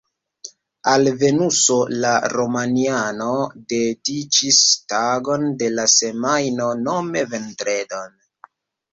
Al Venuso la romianoj dediĉis tagon de la semajno, nome vendredon.